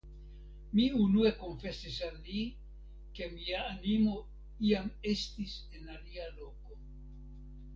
Mi unue konfesis al li, ke mia animo iam estis en alia loko.